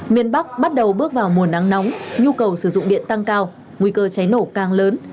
miền bắc bắt đầu bước vào mùa nắng nóng nhu cầu sử dụng điện tăng cao nguy cơ cháy nổ càng lớn